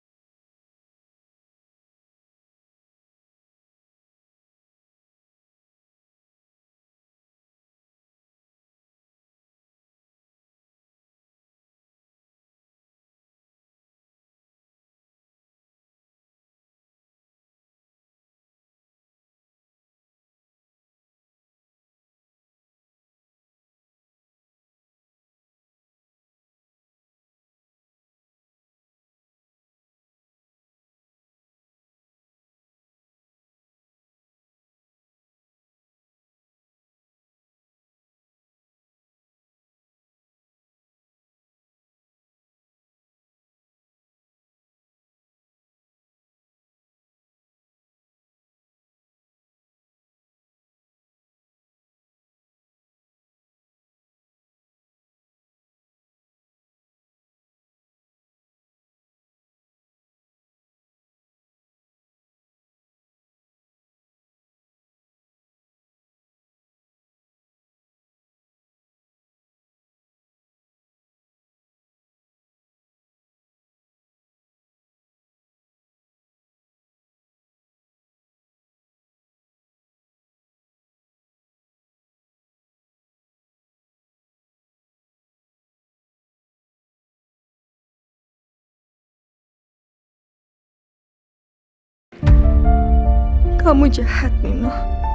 terhadap buah orang beraninya